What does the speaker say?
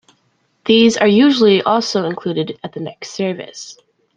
These are usually also included at the next Service.